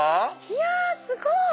いやすごい。